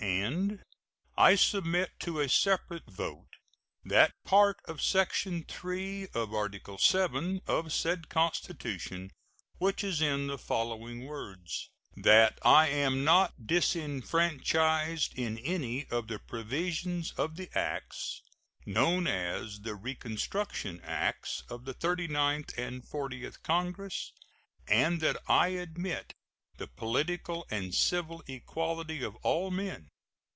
And I submit to a separate vote that part of section 3 of Article VII of said constitution which is in the following words: That I am not disfranchised in any of the provisions of the acts known as the reconstruction acts of the Thirty ninth and Fortieth Congress, and that I admit the political and civil equality of all men.